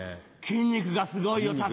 筋肉がすごいよ隆。